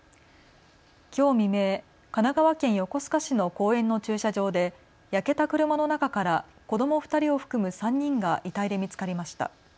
きょう未明、神奈川県横須賀市の公園の駐車場で焼けた車の中から子ども２人を含む３人が遺体で見つかりました。